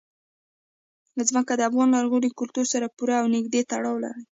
ځمکه د افغان لرغوني کلتور سره پوره او نږدې تړاو لري.